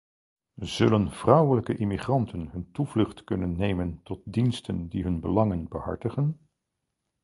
Zullen vrouwelijke immigranten hun toevlucht kunnen nemen tot diensten die hun belangen behartigen?